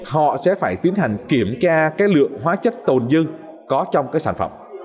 họ sẽ phải tiến hành kiểm tra cái lượng hóa chất tồn dưng có trong cái sản phẩm